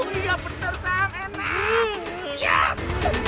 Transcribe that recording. iya bener sam enak